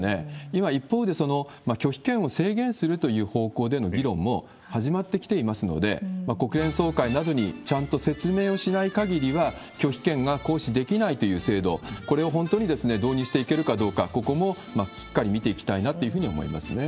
今、一方でその拒否権を制限するという方向での議論も始まってきていますので、国連総会などにちゃんと説明をしないかぎりは、拒否権が行使できないという制度、これを本当に導入していけるかどうか、ここもしっかり見ていきたいなというふうに思いますね。